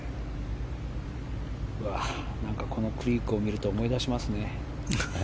このクリークを見ると思い出しますね。